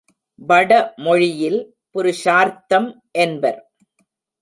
வடமொழியில் புருஷார்த்தம் என்பர்.